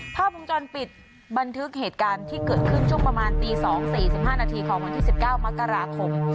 ภาพวงจรปิดบันทึกเหตุการณ์ที่เกิดขึ้นช่วงประมาณตี๒๔๕นาทีของวันที่๑๙มกราคม